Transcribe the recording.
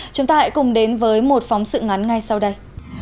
chúng ta hãy cùng đến với một phóng sự ngắn ngay sau đây